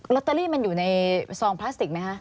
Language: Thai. ตเตอรี่มันอยู่ในซองพลาสติกไหมคะ